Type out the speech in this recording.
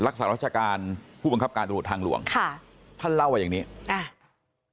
รักษารัชการผู้บังคับการตรวจทางหลวงค่ะท่านเล่าว่าอย่างงี้อ่า